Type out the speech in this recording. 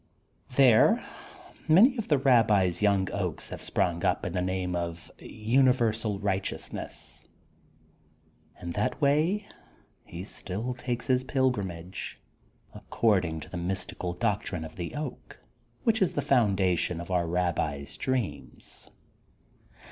There many of the Rabbits young oaks have sprung up in the name of universal righteousness and that way he still takes his pilgrimage, according to the mystical doc trine of the Oak which is the foundation of our Rabbi's dreams.